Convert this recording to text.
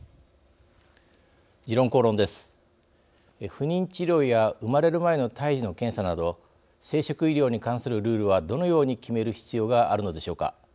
不妊治療や生まれる前の胎児の検査など生殖医療に関するルールはどのように決める必要があるのでしょうか。